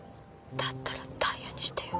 だったらダイヤにしてよ。